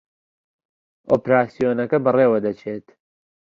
ئۆپراسیۆنەکە بەڕێوە دەچێت